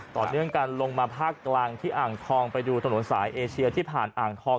ต่อเนื่องกันลงมาภาคกลางที่อ่างทองไปดูถนนสายเอเชียที่ผ่านอ่างทอง